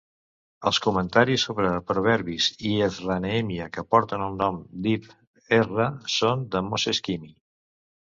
Els comentaris sobre Proverbis i Ezra-Nehemiah que porten el nom d'Ibn Ezra són de Moses Kimhi.